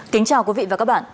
kính chào quý vị và các bạn